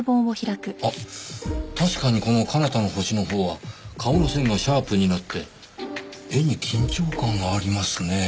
あっ確かにこの『彼方の星』のほうは顔の線がシャープになって絵に緊張感がありますねぇ。